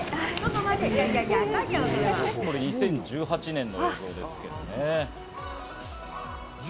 ２０１８年の映像です。